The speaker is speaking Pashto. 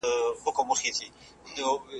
له رویبار، له انتظاره، له پیغامه ګیه من یم ,